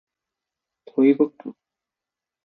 トイボブ